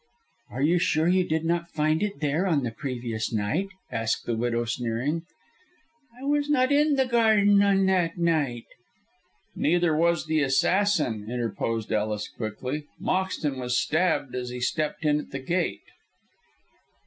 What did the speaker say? "Are you sure you did not find it there on the previous night?" asked the widow, sneering. "I was not in the garden on that night." "Neither was the assassin," interposed Ellis, quickly. "Moxton was stabbed as he stepped in at the gate."